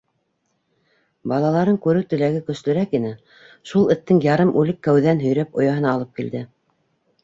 Балаларын күреү теләге көслөрәк ине, шул эттең ярым үлек кәүҙәһен һөйрәп ояһына алып килде.